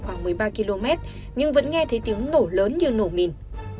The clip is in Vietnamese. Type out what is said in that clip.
khoảng một mươi ba km nhưng vẫn nghe thấy tiếng nổ lớn như nổ mìn